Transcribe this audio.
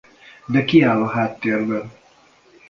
De ki áll a háttérben?